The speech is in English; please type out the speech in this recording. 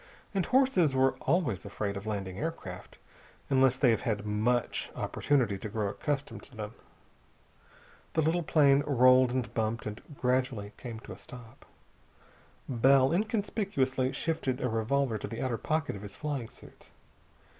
And horses are always afraid of landing aircraft, unless they have had much opportunity to grow accustomed to them. The little plane rolled and bumped, and gradually came to a stop. Bell inconspicuously shifted a revolver to the outer pocket of his flying suit.